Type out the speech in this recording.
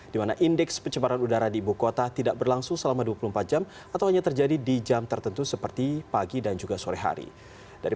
di mana indeks pencemaran udara di ibu kota tidak berlangsung selama dua puluh empat jam atau hanya terjadi di jam tertentu seperti pagi dan juga sore hari